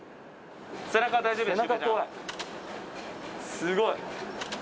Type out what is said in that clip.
すごい。